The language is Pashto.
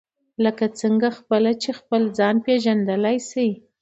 لکه څنګه خپله چې خپل ځان پېژندلای شئ.